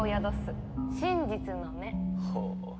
ほう。